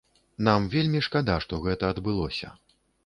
Нам вельмі шкада, што гэта адбылося.